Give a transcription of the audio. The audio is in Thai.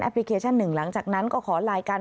พลิเคชันหนึ่งหลังจากนั้นก็ขอไลน์กัน